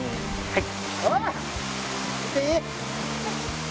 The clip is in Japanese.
はい。